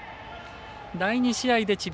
第２試合で智弁